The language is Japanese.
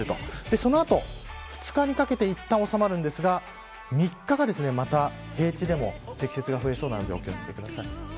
そのあと２日にかけていったん収まるんですが３日がまた平地でも積雪が増えそうなのでお気を付けください。